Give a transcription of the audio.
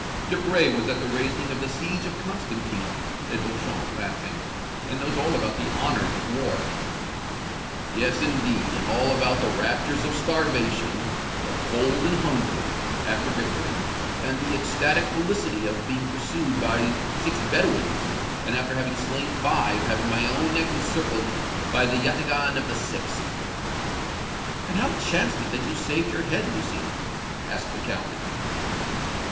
"Debray was at the raising of the siege of Constantine," said Beauchamp laughing, "and knows all about the honors of war." "Yes, indeed, and all about the raptures of starvation, of cold and hunger, after victory, and the ecstatic felicity of being pursued by six Bedouins, and after having slain five having my own neck encircled by the yataghan of the sixth!" "And how chanced it that you saved your head, Lucien?" asked the Count.